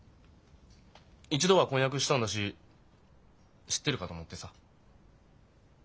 一度は婚約したんだし知ってるかと思ってさ。